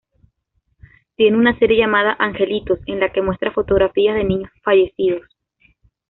Tiene una serie llamada "Angelitos" en la que muestra fotografías de niños fallecidos.